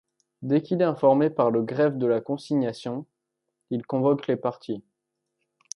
Dès qu'il est informé par le greffe de la consignation, il convoque les parties.